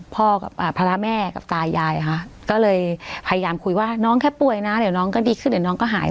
กับภาระแม่กับตายายค่ะก็เลยพยายามคุยว่าน้องแค่ป่วยนะเดี๋ยวน้องก็ดีขึ้นเดี๋ยวน้องก็หาย